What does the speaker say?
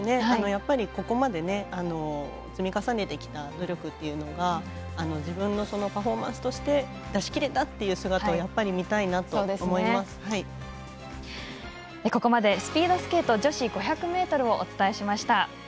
やっぱり、ここまで積み重ねてきた努力というのが自分のパフォーマンスとして出しきれたっていう姿をここまでスピードスケート女子５００ｍをお伝えしました。